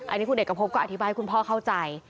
อันนี้คุณเอกพบก็อธิบายให้คุณพ่อเข้าใจ